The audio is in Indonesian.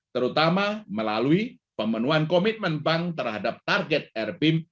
terutama melalui pemenuhan komitmen bank terhadap target air bim